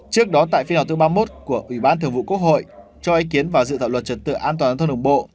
trước đó tại phiên họp thứ ba mươi một của ủy ban thường vụ quốc hội cho ý kiến vào dự thảo luật trật tự an toàn thông đồng bộ